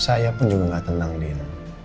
saya pun juga gak tenang dia